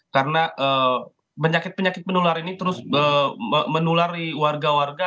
karena penyakit penyakit penular ini terus menulari warga warga